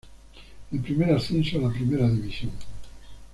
El primer ascenso a la Primera división.